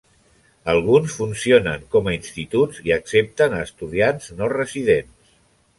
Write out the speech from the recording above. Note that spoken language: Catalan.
Alguns funcionen com a instituts i accepten a estudiants no residents.